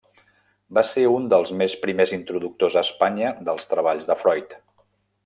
Va ser un dels més primers introductors a Espanya dels treballs de Freud.